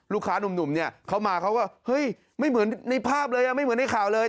ลูกค้านุ่มเนี่ยเขามาเขาก็เฮ้ยไม่เหมือนในภาพเลยไม่เหมือนในข่าวเลย